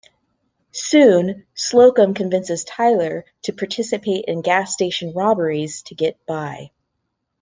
Soon, Slocum convinces Tyler to participate in gas station robberies to get by.